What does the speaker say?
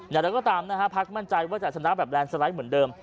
แล้วก็ตามภาคมั่นใจว่าจะสนามแบบแรนสไลด์เหมือนเดิม